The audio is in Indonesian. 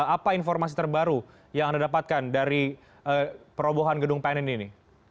apa informasi terbaru yang anda dapatkan dari perobohan gedung panen ini